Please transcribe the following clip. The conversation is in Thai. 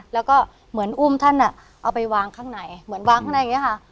แล้วก็เหมือนอุ้มท่านเอาไปวางข้างในเหมือนวางข้างในอย่างนี้ค่ะ